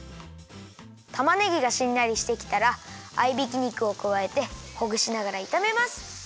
たまねぎがしんなりしてきたら合いびき肉をくわえてほぐしながらいためます。